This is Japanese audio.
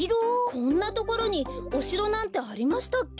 こんなところにおしろなんてありましたっけ？